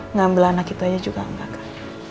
ngambil anak itu aja juga enggak kan